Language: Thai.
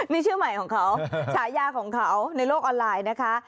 นี่ชื่อใหม่ของเขาฉายาของเขาในโลกออนไลน์นะคะ